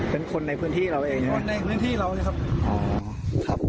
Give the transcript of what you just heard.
เป็นคนในพื้นที่เราเองนะ